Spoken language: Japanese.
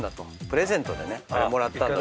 プレゼントでねもらったんだと。